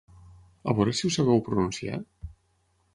A veure si ho sabeu pronunciar?